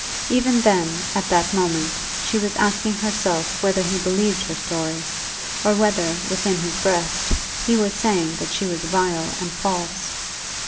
Even then, at that moment, she was asking herself whether he believed her story, or whether, within his breast, he was saying that she was vile and false.